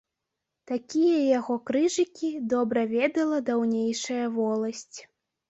Такія яго крыжыкі добра ведала даўнейшая воласць.